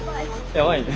やばいね。